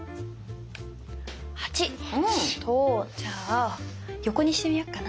８。とじゃあ横にしてみよっかな？